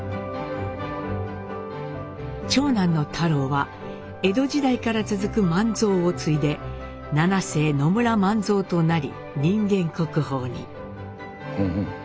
長男の太良は江戸時代から続く万蔵を継いで七世野村万蔵となり人間国宝に。